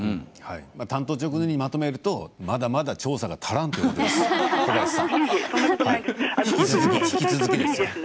単刀直入にまとめるとまだまだ調査が足らんということですね。